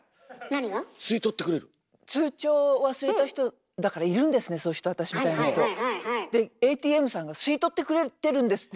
通帳忘れた人だからいるんですねそういう人私みたいな人。でＡＴＭさんが吸い取ってくれてるんですって。